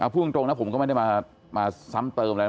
พูดถูกนะผมก็ไม่ได้มาสำเติมแล้ว